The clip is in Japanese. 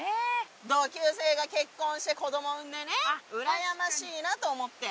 同級生が結婚して子供産んでねうらやましいなと思って。